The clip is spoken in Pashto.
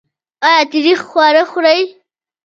ایا تریخ خواړه خورئ؟